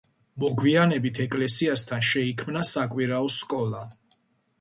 მოგვიანებით ეკლესიასთან შეიქმნა საკვირაო სკოლა.